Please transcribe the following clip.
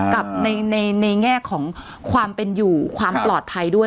กับในแง่ของความเป็นอยู่ความปลอดภัยด้วย